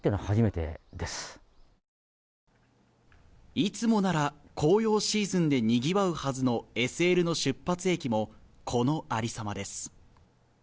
いつもなら紅葉シーズンでにぎわうはずのＳＬの出発駅も、このありさまです。